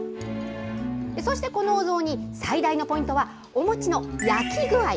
そして、このお雑煮、最大のポイントは、お餅の焼き具合。